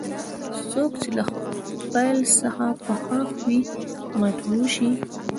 څوک چې له پیل څخه په ښه خوی مطبوع شي.